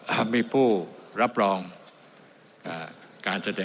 และมีผู้รับรองการแสดงตน